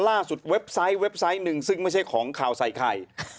เว็บไซต์เว็บไซต์หนึ่งซึ่งไม่ใช่ของข่าวใส่ไข่